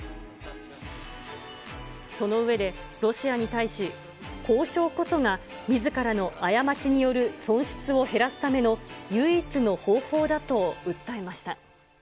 その上で、ロシアに対し、交渉こそが、みずからの過ちによる損失を減らすための、唯一の方法だと訴えました。